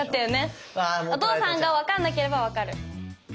お父さんが分かんなければ分かる。